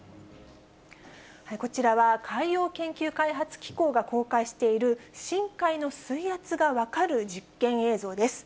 こちらは、海洋研究開発機構が公開している深海の水圧が分かる実験映像です。